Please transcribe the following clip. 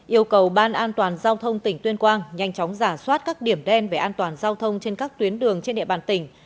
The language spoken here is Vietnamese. yêu cầu ban an toàn giao thông tỉnh tuyên quang nhanh chóng giả soát các điểm đen về an toàn giao thông trên các tuyến đường trên địa bàn tỉnh